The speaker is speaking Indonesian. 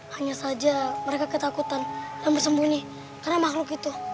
hanya saja mereka ketakutan dan bersembunyi karena makhluk itu